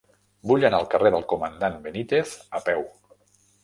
Vull anar al carrer del Comandant Benítez a peu.